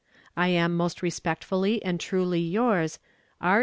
"I am most respectfully and truly yours, "R.